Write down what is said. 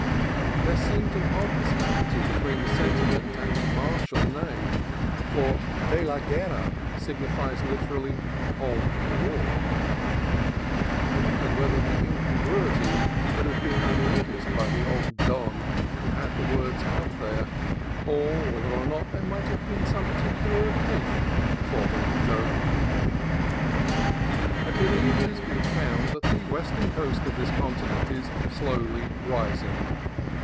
There seemed an odd disparity between the sentiment and the martial name (for de la Guerra signifies, literally, "of the war"). I wondered whether the incongruity could have been unnoticed by the old don who had the words cut there, or whether there may not have been some particular occasion for the little joke. I believe it has been found that the western coast of this continent is slowly rising.